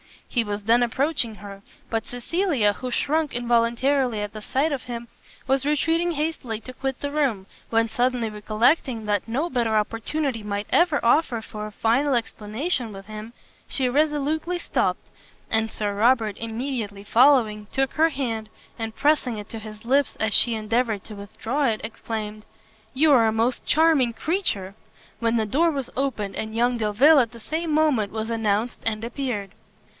He was then approaching her; but Cecilia, who shrunk involuntarily at the sight of him, was retreating hastily to quit the room, when suddenly recollecting that no better opportunity might ever offer for a final explanation with him, she irresolutely stopt; and Sir Robert, immediately following, took her hand, and pressing it to his lips as she endeavoured to withdraw it, exclaimed, "You are a most charming creature!" when the door was opened, and young Delvile at the same moment was announced and appeared.